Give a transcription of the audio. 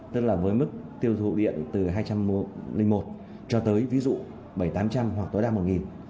tức là với mức tiêu dùng điện từ hai trăm lên một cho tới ví dụ bảy tám trăm hoặc tối đa một nghìn